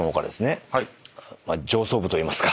まあ上層部といいますか。